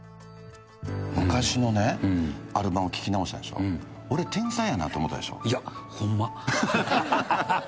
昔のアルバム聴き直したでしょ、俺、天才やなと思ったでしょいや、ほんま。